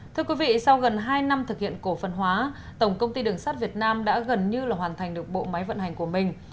thưa quý vị sau gần hai năm thực hiện cổ phần hóa tổng công ty đường sắt việt nam đã gần như là hoàn thành được bộ máy vận hành của mình